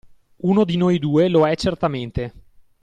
Uno di noi due lo è certamente!